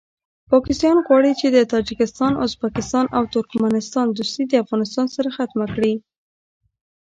پاکستان غواړي چې د تاجکستان ازبکستان او ترکمستان دوستي د افغانستان سره ختمه کړي